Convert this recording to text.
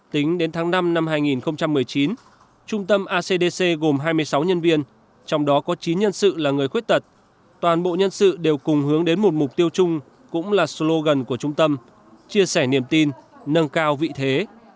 tính đến tháng năm năm hai nghìn một mươi chín trung tâm acdc gồm hai mươi sáu nhân viên trong đó có chín nhân sự là người khuyết tật toàn bộ nhân sự đều cùng hướng đến một mục tiêu chung cũng là slogan của trung tâm chia sẻ niềm tin nâng cao vị thế